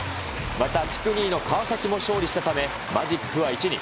また、地区２位の川崎も勝利したため、マジックは１に。